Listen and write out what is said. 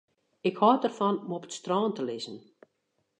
Ik hâld derfan om op it strân te lizzen.